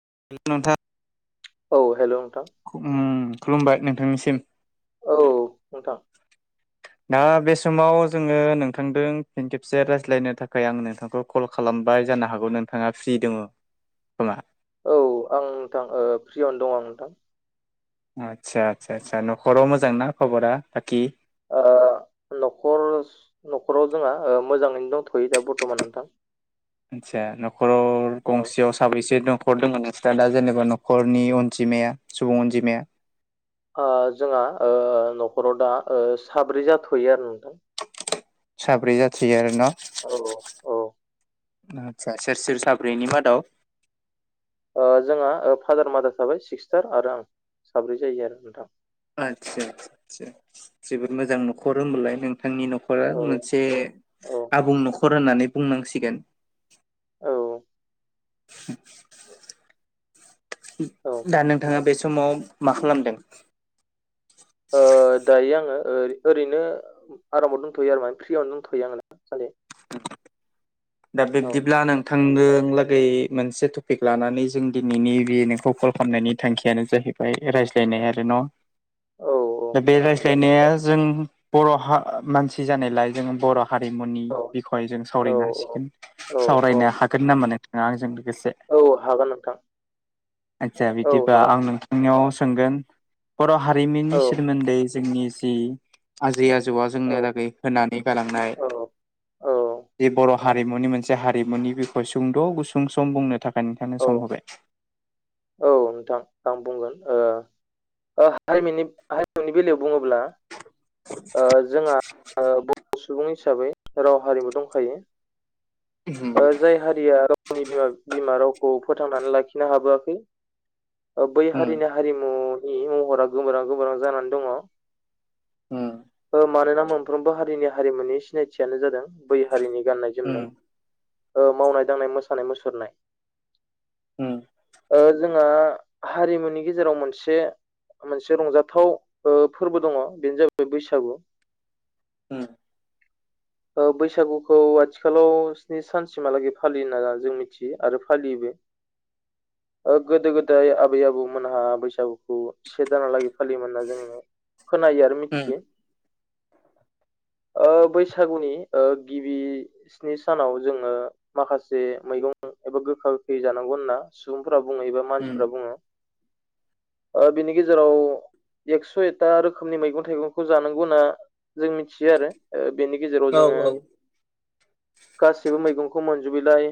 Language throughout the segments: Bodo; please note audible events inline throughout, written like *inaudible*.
*unintelligible* औ हेलौ। उम खुलुमबाय नोंथांनिसिम। औ नोंथां। दा बे समाव जोङो नोंथांदों फिन खेबसे रायज्लायनो थाखाय आं नोंथांखौ कल खालाम मोनबाय जानो हागौ नोंथाङा फ्रि दङ खोमा। औ आं नोंथां फ्रियावनो दं आं नोंथां। आदसा आसा आसा न'खराव मोजां ना खबरा बाखि? ओ। न'खर न'खराव जोंहा मोजाङैनो दंथ'यो दा बरथ'मान नोंथां। आदसा न'खराव औ गंसेयाव साबैसे दं? न'खर दं नोंस्रा दा जेनेबा न'खरनि अनजिमाया सुबुं अनजिमाया? ओ जोंहा ओ न'खराव दा ओ साब्रै जाथ'यो आरो नोंथां। साब्रै जाथ'यो आरो न'? औ औ आतसा सोर सोर साब्रैनि मादाव? ओ जोंहा फादार मादार थाबाय सिस्टार आरो आं साब्रै जायो आरो नोंथां। आदसा आदसा औ जोबोद मोजां न'खर होमबालाय। नोंथांनि न'खरा मोनसे औ आबुं न'खर होननानै बुंनांसिगोन। औ। औ *inaudible* दा नोंथाङा बे सम समाव मा खालामदों? ओ दायो आङो ओ ओरैनो आरामाव दंथ'यो आरो माने फ्रियावनो दंथ'यो आं माने। *inaudible* दा औ बिब्दिब्ला नोंथा बुंनो लागै मोनसे टपिक लानानै जों दिनैनि बे नोंखौ कल खालामनायनि थांखियानो जाहैबाय ओमफ्राय रायज्लायनाय आरो न'? औ दा बे नोंथां रायज्लायनाया जों बर' हा-मानसि जानायलाय जों बर' हारिमुनि औ बिखय जों औ सावरायनो हासिगोन औ औ सावरायनो हागोन नामा नोंथाङा आंजों एसे? *inaudible* औ हागोन नोंथां आदसा औ बिदिबा हागोन आं नोंथां नोंथांनिआव सोंगोन बर' हारिमुनि औ सोमोन्दै जोंनि आजै आजौआ औ जोंनो लागै होनानै गालांनाय औ औ बे बर' हारिमुनि मोनसे हारिमुनि बिखय सुंद' गुसुं सम बुंनो थाखाय नोंथांनो औ सम होबाय। औ नोंथां आं बुंगोन ओ ओ हारिमनि हारिमुनि बेलायाव बुङोब्ला ओ जोंहा ओ सुबुं हिसाबै राव हारिमु दंखायो। ओ जाय हारिया गावनि बिमा बिमा रावखौ फोथांनानै लाखिनो हाबोआखै बै औ हारिनि हारिमु महरा गोबोरां गोबोरां जानानै दङ। ओ मानोना मोनफ्रोमबो हारिनि हारिमुनि सिनायथियानो जादों बै हारिनि गाननाय जोमनाय। ओ मावनाय दांनाय मोसानाय मुसुरनाय। ओ जोंङा हारिमुनि गेजेराव मोनसे मोनसे रंजाथाव ओ फोरबो दङ बेनो जाबाय बैसागु। उम। ओ बैसागुखौ आथिखालाव स्नि सानसिमहालागै फालियो होना जों मिथियो आरो फालियोबो। *inaudible* ओ गोदो गोदाय आबै आबौमोनहा बैसागुखौ से दानालागै फालियोमोन होनना जोंङो खोनायो आरो मिथियो। *inaudible* ओ बैसागुनि गिबि स्नि सानाव जोङो माखासे मैगं एबा गोखा गोखै जानांगौ होनना सुबुंफोरा बुङो एबा मानसिफोरा बुङो। ओ बिनि गेजेराव एकस' एकथा रोखोमनि मैगं थाइगंखौ जानांगौ होनना जों मिथियो आरो ओ बेनि गेजेराव जोङो औ गासिबो मैगंखौ मोनजोबैलाय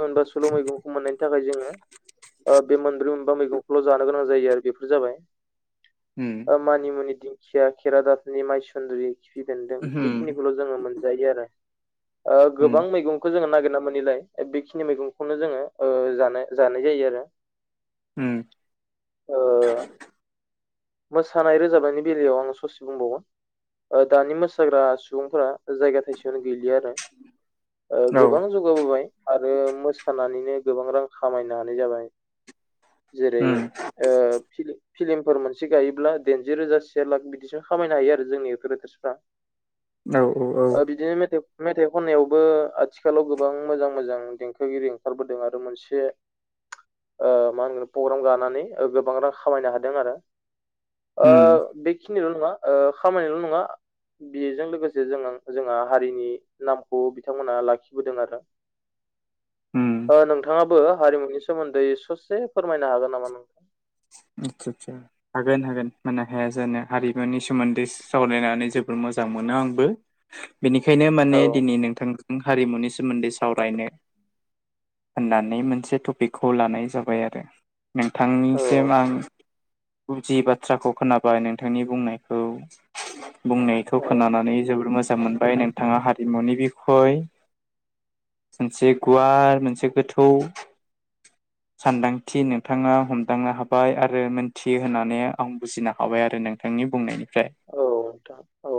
मोनबा सल' मैगंखौ मोननायनि थाखाय जोङो। ओ बे मोनब्रै मोनबा मैगंखौल' जानो गोनां जायो आरो बेफोर जाबाय ओ मानिमुनि दिंखिया केरादाफिनि माइसुन्द्रि खिफि बेन्दों बे बेखिनिखौल' जोङो मोनजायो आरो। ओ गोबां मैगंखौ जोङो नागिर मोनैलाय बेखिनि मैगंखौनो जोङो ओ जानाय जानाय जायो आरो। उम। ओ *inaudible* मोसानाय रोजाबनायनि बेलायाव आं ससे बुंबावगोन। ओ दानि मोसाग्रा सुबुंफोरा जायगा थाइसेआवनो गैलिया आरो। ओ गोबां जौगाबोबाय आरो मोसानानै जे गोबां रां खामायनो हानाय जाबाय जेरै ओ फ्लिम फिल्मफोर मोनसे गायोब्ला दाइनजि रोजा से लाख बिदिसो खामायनो हायो आरो जोंनि एकटर एट्रिसफोरा। औ औ औ मेथाइ खननायावबो आथिखालाव गोबां मोजां मोजां देंखोगिरि ओंखारबोदों आरो मोनसे ओ मा होनगोन प्रग्राम गानानै गोबां रां खामायनो हादों आरो ओ औ बेखिनिल' नङा खामायनायल' नङा बेजों लोगोसे जों जोंहा हारिनि नामखौ बिथांमोना लाखिबोदों आरो। *inaudible* ओ नोंथाङाबो हारिमुनि सोमोन्दै ससे फोरमायनो हागोन नामा नोंथां? *unintelligible* हागोन हागोन मानो हाया जानो हारिमुनि सोमोन्दै सावरायनानै जोबोद मोजां मोनो। मोनो आंबो बेनिखायनो माने औ दिनै नोंथां हारिमुनि सोमोन्दै सावरायनो। होननानै मोनसे टपिकखौ लानाय जाबाय आरो नोंथां। औ जेनेबा आं बुजियि बाथ्राखौ खोनाबाय नोंथांनि बुंनायखौ। बुंनायखौ औ खोनानानै जोबोर मोजां मोनबाय नोंथाङा हारिमुनि बिखय मोनसे गुवार मोनसे गोथौ सानदांथि नोंथाङा हमदों- दांनो हाबाय आरो मोनथि होननानै आं बुजिनो हाबाय आरो नोंथांनि बुंनायनि फ्राय औ नोंथां औ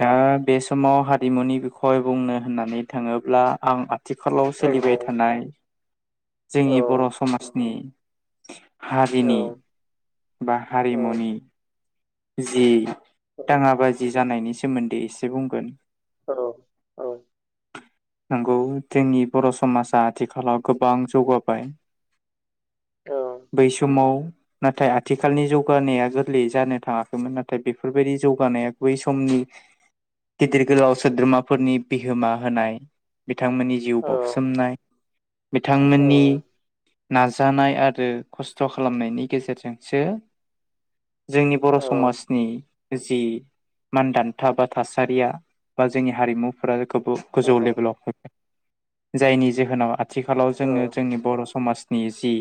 दा। बे समाव हारिमुनि बिखय बुंनो होननानै थाङोब्ला आं आथिखालाव औ सोलिबाय थानाय औ जोंनि बर' समाजनि हारिनि औ बा औ हारिमुनि- जि औ दाङा बाजि जानायनि सोमोन्दै एसे बुंगोन। औ *inaudible* नंगौ जोंनि बर' समाजा आथिखालाव गोबां जौगाबाय बै समाव नाथाय आथिखालनि जौगानाया गोरलैयै जानो थाङा नाथाय बेफोरबायदि जौगानाया बै समनि- गिदिर गोलाव सोद्रोमाफोरनि बिहोमा होनाय बे बिथांमोननि जिउ बाावसोमनाय बिथांमोननि नाजानाय आरो खस्थ' खालामनायनि गेजेरजोंसो जोंनि बर' समाजनि जि मानदान्था बा थासारिया बा जोंनि हारिमुफोरा गोबो गोजौ लेभेलाव फैबाय जायनि जाहोनाव आथिखालाव औ जोङो जोंनि बर' समाज नि जि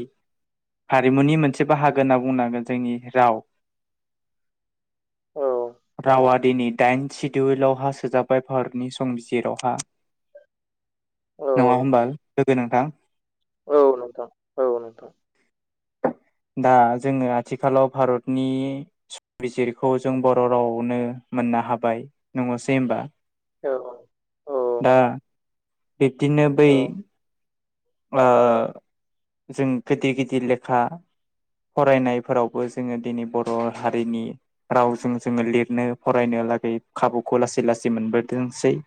हारिमुनि मोनसे बाहागो होनना बुंनांगोन जोंनि राव रावारि- दिनै दाइन सिडिउलावहा सोजाबाय भारतनि संबिजिरावहा नङा होमबा लोगो नोंथां? औ नोंथां औ नोंथां दा जोङो आथिखालाव भारतनि संबिजिरखौ जों बर' रावावनो मोननो हाबाय नङासै होमबा? औ दा बिब्दिनो बै औ जों गिदिर गिदिर लेखा फरायनायफोरावबो जोङो दिनै बर' हारिनि रावजों जोङो लिरनो फरायनो लागै खाबुखौ लासै लासै मोनबोदोंसै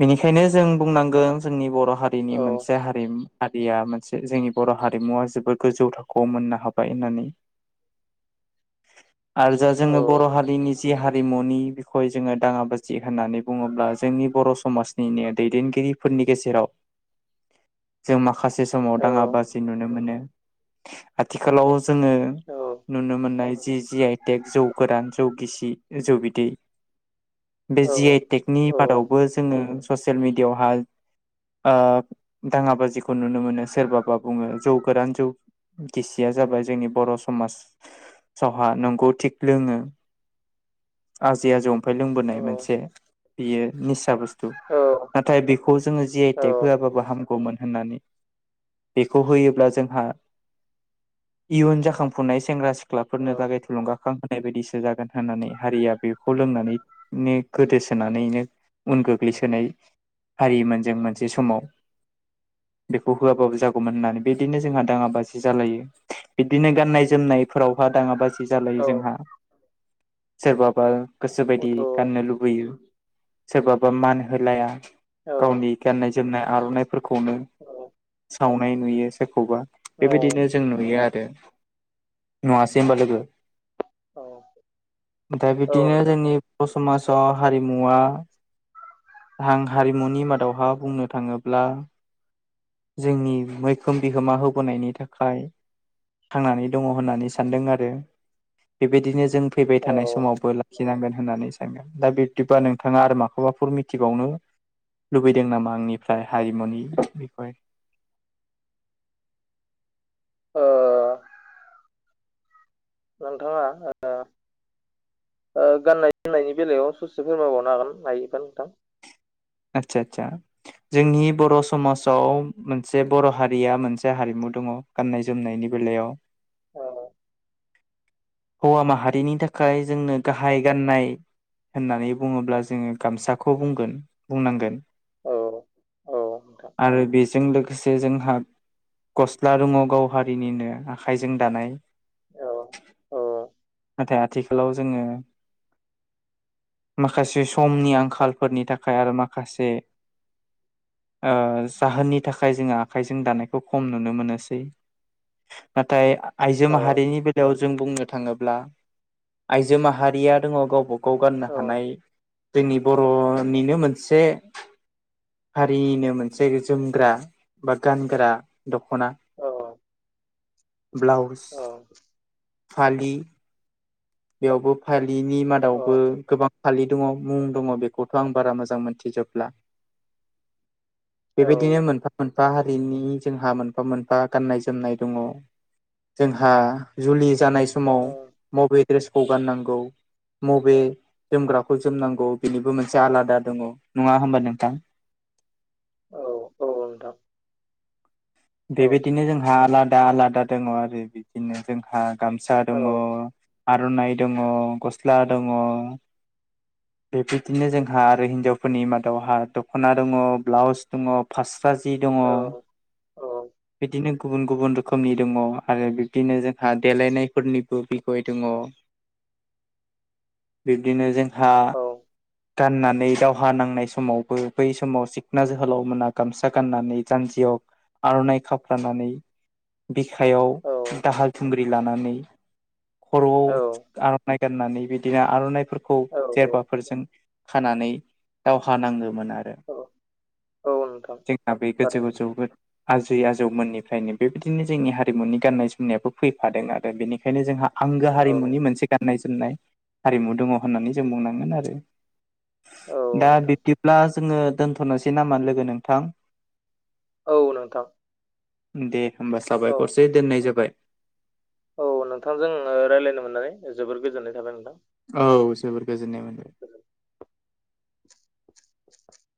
बेनिखायनो जों बुंनांगोन जोंनि बर' हारिनि मोनसे हारिमु या मोनसे जोंनि बर' हारिमुवा जोबोद गोजौ थाखोआव मोननो हाबाय होननानै आरो जा औ जोङो बर' हारिनि जि हा रिमुनि बिखय जोङो दाङाबाजि होननानै बुङोब्ला जोंनि बर' समाजनिनो दैदेनगिरि फोरनि गेजेराव जों माखासे समाव औ दाङा बाजि नुनो मोनो। आथिखालाव जोङो औ नुनो मोननाय जि जि आइटेक जौ गोरान जौ गिसि जौ बिदै बे औ जि आइ टेकनि औ बादावबो जोङो ससियेल मिडियावहाय दाङा बाजिखौ नुनो मोनो सोरबाबा बुङो जौ गोरान जौ गिसिया जाबाय जोंनि बर' समाजावहा नंगौ थिग लोङो। आ जिया जं लोंबोनाय मोनसे बियो निसा बुस्थु औ नाथाय बे खौ जोङो जि औ आइटेक होआबाबो हामगौमोन होननानै बेखौ होयोब्ला जोंहा इयुन जाखांफुनाय सेंग्रा सिख्लाफोरनो थाखाय थुलुंगाखां होनाय बायदिसो जागोन होननानै हारिया बेखौ लों होनानैनो गोदोसोनानैनो उन गोग्लैसोनाय हारिमोन जों मोनसे समाव बेखौ होआबाबो जागौमोन होननानै बिदिनो जोंहा दाङाबाजि जालायो बिदिनो गाननाय-जोमनाय फोरावहा दाङा बाजि औ जालायो जोंहा सोरबाबा गोसो बायदि गाननो लुबैयो सोरबाबा मान होलाया गावनि गाननाय जोमनाय आर'नाइफोरखौनो सावनाय नुयो सोरखौबा औ बेबायदिनो जों नुयो आरो नङासै होमबा लोगो औ दा बिदिनो नोंथां जोंनि बर' समाजाव हारिमुवा रां हारिमुनि मादावहा बुंनो थाङोब्ला जोंनि मैखोम बिहोमा होबोनायनि थाखाय थांनानै दङ होननानै सानदों आरो। बेबायदिनो जों फैबाय औ ओ नोंथाङा ओ थानाय समावबो लाखिनांगोन होननानै सानगोन दा बिब्दिबा नोंथाङा आरो माखौबा माबाफोर मिथिबावनो लुबैदों नामा आंनिफ्राय हारिमुनि बेखौ ओ नोंथाङा ओ ओ गाननाय जोमनायनि बेलायाव ससे फोरमायबावनो हागोन हायोबा नोंथां आदसा आदसा जोंनि बर' समाजाव मोनसे बर' हारिया मोनसे हारिमु दङ गाननाय जोमनायनि बेलायाव औ हौवा माहारिनि थाखाय जोंनो गाहाय गाननाय होननानै बुङोब्ला जोङो गामसाखौ बुंगोन बुंनांगोन। औ। औ नोंथां आरो बेजों लोगोसे जोंहा गस्ला दङ गाव हारिनिनो आखाइजों दानाय औ औ नाथाय आथिखालाव जोङो माखासे समनि आंखालफोरनि थाखाय आरो माखासे ओ जाहोननि थाखाय जोङो आखाइजों दानायखौ खम नुनो मोनोसै। नाथाय आइजो औ माहारिनि बेलायाव जों बुंनो थाङोब्ला आइजो माहारिया दङ गावबा गाव गाननो औ हानाय जोंनि बर'निनो मोनसे हारिनो मोनसे जोमग्रा बा गानग्रा दख'ना औ ब्लाउस फालि बेयावबो फालिनि औ मादावबो गोबां फालि दङ मुं दङ बेखौथ' आं बारा मोजां मोनथिजोबला बेबायदिनो औ मोनफा मोन फा हारिनि जोंहा मोनफा मोनफा गाननाय जोमनाय दङ। जोंहा जुलि जानाय समाव औ मबे ड्रेसखौ गाननांगौ मबे जोमग्राखौ जोमनांगौ बेनिबो मोनसे आलादा दङ नङा होमबा नोंथां। *inaudible* औ औ नोंथां। औ बेबायदिनो जोंहा आलादा-आलादा दङ आरो। बिदिनो जोंहा गामसा औ दङ, आर'नाइ दङ, गस्ला दङ, बेबायदिनो जोंहा आरो हिन्जावफोरनि मादावहा दख'ना दङ, ब्लाउस दङ, पास्रा जि दङ औ बिदिनो गुबुन गुबुन रोखोमनि दङ आरो बिब्दिनो जोंहा देलायनायफोरनिबो बिखय दङ। बिब्दिनो जोंहा गानना नै दावहा नांनाय समावबो बै समाव सिखना जोहोलाव मोना गामसा गाननानै जानजियाव आर'नाइ खाफ्रानानै बिखायाव औ दाहाल थुंग्रि लानानै खर'आव औ औ आर'नाइ गाननानै बिदिनो आर'नाइफोरखौ औ जेरबाफोरजों खानानै दावहा नाङोमोनआरो। औ औ नोंथां थारैनो *unintelligible* आजै आजौमोननिफ्रायनो बेबायदिनो जोंनि हारिमुनि गाननाय जोमनायाबो फैफादों आरो। बेनिखायनो जोंहा आंगो औ हारिमुनि मोनसे गाननाय जोमनाय हारिमु दङ होननानै जों बुंनांगोन आरो। औ। दा नोंथां बिब्दिब्ला जोङो दोन्थ'नोसै नामा लोगो नोंथां? औ नोंथां दे होमबा औ साबायखरसै दोननाय जाबाय। औ नोंथांजों रायज्लायनो मोननानै जोबोर गोजोननाय थाबाय नोंथां। औ जोबोर गोजोननाय मोनबाय।